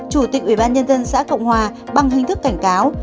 chủ tịch ủy ban nhân dân xã cộng hòa bằng hình thức cảnh cáo